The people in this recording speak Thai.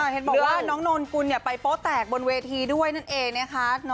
เห็นบอกว่าน้องนนกุลไปโป๊แตกบนเวทีด้วยนั่นเองนะคะ